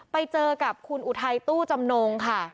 ไปเจอกับคุณอุทัยตู้จำนงค่ะ